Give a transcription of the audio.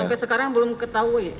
sehingga sekarang belum ketahui